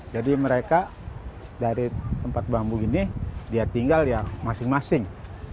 jadi mereka dari tempat bambu ini dia tinggal ya masing masing